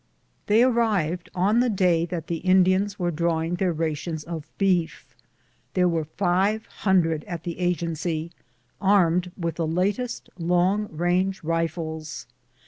They arrived on the day that the Indians were drawing their rations of beef. There were five hundred at the Agency, armed with the latest long rang'^ rifles.